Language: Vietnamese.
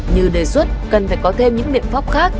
như đề xuất cần phải có thêm những miệng pháp khác